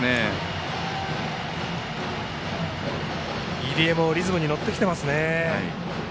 入江もリズムに乗ってきています。